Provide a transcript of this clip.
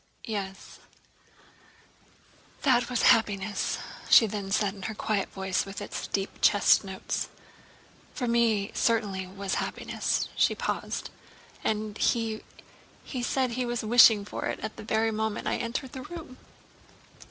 "Yes, that was happiness," she then said in her quiet voice with its deep chest notes. "For me it certainly was happiness." She paused. "And he... he... he said he was wishing for it at the very moment I entered the room...."